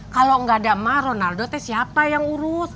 kalau gak ada emak ronaldo siapa yang urus